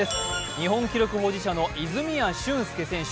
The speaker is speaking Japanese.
日本記録保持者の泉谷駿介選手